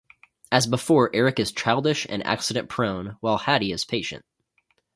As before, Eric is childish and accident-prone while Hattie is patient.